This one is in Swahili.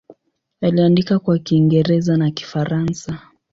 Aliandika kwa Kiingereza na Kifaransa.